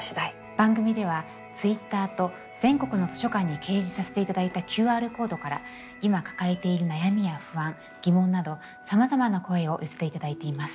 番組ではＴｗｉｔｔｅｒと全国の図書館に掲示させていただいたＱＲコードから今抱えている悩みや不安疑問などさまざまな声を寄せていただいています。